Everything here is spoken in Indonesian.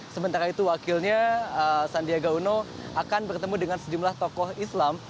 sementara itu wakilnya sandiaga uno akan bertemu dengan sejumlah tokoh islam